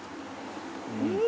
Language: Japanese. うん！